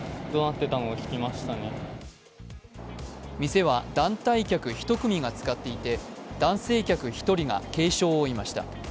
店は団体客１組が使っていて男性客１人が軽傷を負いました。